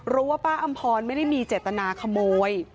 รู้ว่าป้าอำพ็อนไม่ได้มีเจ็ดตนาขโมย